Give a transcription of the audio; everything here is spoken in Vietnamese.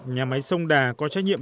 nhà máy sông đà có trách nhiệm